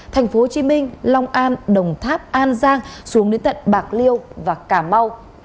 tp hcm long an đồng tháp an giang xuống đến tận bạc liêu và cà mau